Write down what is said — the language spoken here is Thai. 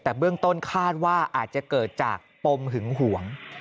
แต่เบื้องต้นคาดว่าอาจจะเกิดจากปมหึงหวง